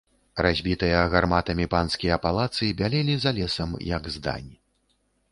Разбітыя гарматамі панскія палацы бялелі за лесам, як здань.